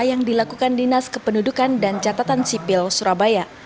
yang dilakukan dinas kependudukan dan catatan sipil surabaya